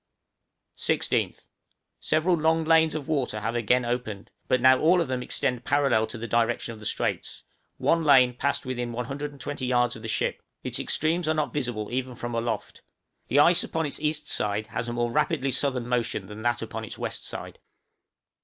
16th. Several long lanes of water have again opened, but now all of them extend parallel to the direction of the straits; one lane passed within 120 yards of the ship; its extremes are not visible even from aloft; the ice upon its east side has a more rapid southerly motion than that upon its west side.